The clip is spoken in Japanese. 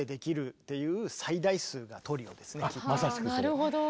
なるほど。